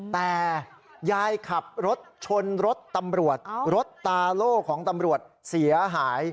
แต่ยายขับรถชนรถตำรวจรถตาโล่ของตำรวจเสียหาย